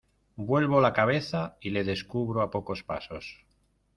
vuelvo la cabeza y le descubro a pocos pasos.